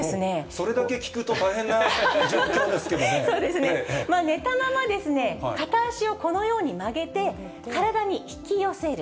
それだけ聞くと大変な状況でそうですね、寝たままですね、片足をこのように曲げて、体に引き寄せる。